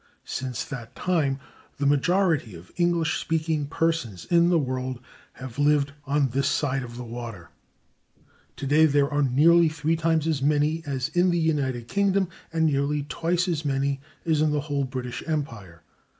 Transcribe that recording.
Since that time the majority of English speaking persons in the world have lived on this side of the water; today there are nearly three times as many as in the United Kingdom and nearly twice as many as in the whole British Empire.